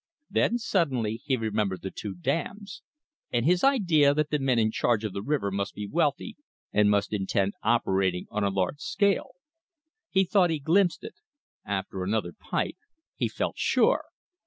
Then suddenly he remembered the two dams, and his idea that the men in charge of the river must be wealthy and must intend operating on a large scale. He thought he glimpsed it. After another pipe, he felt sure.